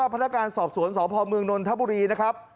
พนักการณ์สอบสวนสพมนนทบุรีนะครับ